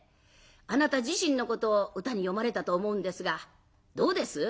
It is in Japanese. あなた自身のことを歌に詠まれたと思うんですがどうです？